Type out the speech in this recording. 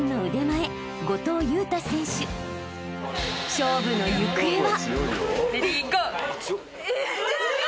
［勝負の行方は？］